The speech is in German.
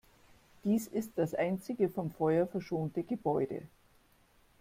Dies ist das einzige vom Feuer verschonte Gebäude.